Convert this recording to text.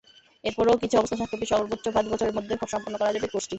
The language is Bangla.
এরপরেও কিছু অবস্থা সাপেক্ষে সর্বোচ্চ পাঁচ বছরের মধ্যে সম্পন্ন করা যাবে কোর্সটি।